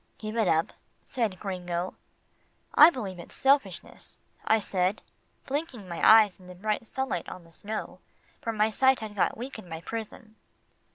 "Give it up," said Gringo. "I believe it's selfishness," I said, blinking my eyes in the bright sunlight on the snow, for my sight had got weak in my prison.